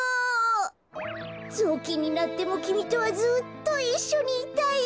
ぞうきんになってもきみとはずっといっしょにいたいよ。